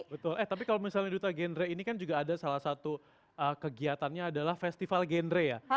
betul eh tapi kalau misalnya duta genre ini kan juga ada salah satu kegiatannya adalah festival gendre ya